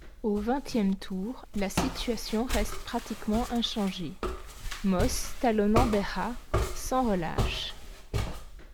Au vingtième tour, la situation reste pratiquement inchangée, Moss talonnant Behra sans relâche.